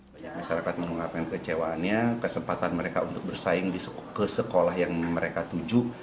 banyak masyarakat mengungkapkan kecewaannya kesempatan mereka untuk bersaing ke sekolah yang mereka tuju